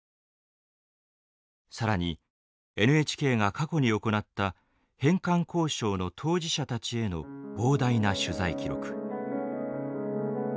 更にＮＨＫが過去に行った返還交渉の当事者たちへの膨大な取材記録。